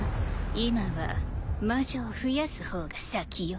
今は魔女を増やす方が先よ。